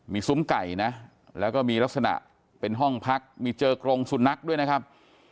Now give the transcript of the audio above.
มีซุ้มไก่นะแล้วก็มีลักษณะเป็นห้องพักมีเจอกรงสุนัขด้วยนะครับ